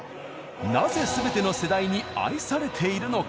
なぜ全ての世代に愛されているのか。